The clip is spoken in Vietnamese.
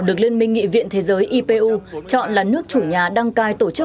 được liên minh nghị viện thế giới ipu chọn là nước chủ nhà đăng cai tổ chức